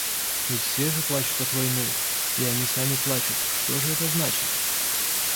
Ведь все же плачут от войны, и они сами плачут, — что же это значит?